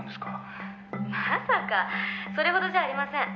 「まさかそれほどじゃありません」